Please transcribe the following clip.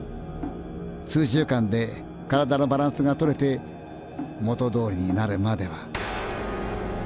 数週間で体のバランスがとれて元どおりになるまでは。